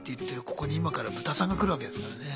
ここに今からブタさんが来るわけですからね。